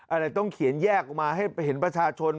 อะไรต้องเขียนแยกออกมาให้เห็นประชาชน